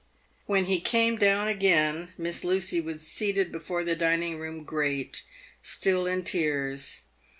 "When he came down again, Miss Lucy was seated before the dining room grate, still in tears.